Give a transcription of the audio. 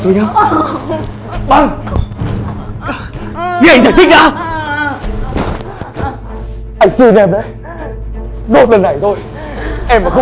tôi chỉ nhờ anh